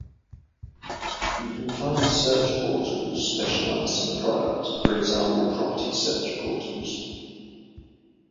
You can find search portals specialized in a product, for example property search portals.